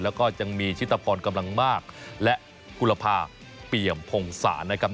แล้วก็ยังมีชิตพรกำลังมากและกุลภาเปี่ยมพงศาลนะครับ